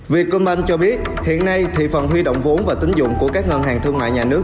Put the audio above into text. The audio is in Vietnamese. vietcombank cho biết hiện nay thị phần huy động vốn và tính dụng của các ngân hàng thương mại nhà nước